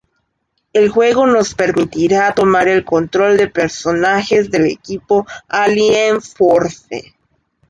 El juego nos permitirá tomar el control de personajes del equipo Alien Force.